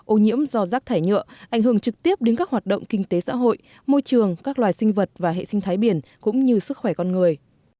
ô nhiễm do rác thải nhựa ảnh hưởng trực tiếp đến các hoạt động kinh tế xã hội môi trường các loài sinh vật và hệ sinh thái biển cũng như sức khỏe con người